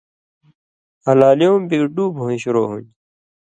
ہلالیُوں بِگی ڈُوب ہویں شروع ہُون٘دیۡ